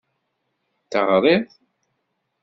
Teɣriḍ.